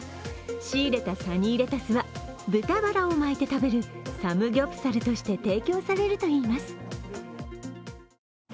仕入れたサニーレタスは豚バラを巻いて食べるサムギョプサルとして提供されるといいます。